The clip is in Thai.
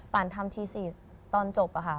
ป่านทำที๔ตอนจบค่ะ